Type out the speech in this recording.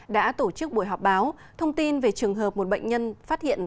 đã tổ chức buổi họp báo thông tin về trường hợp một bệnh nhân phát hiện